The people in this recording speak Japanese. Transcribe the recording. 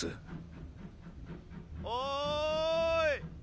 ・おい！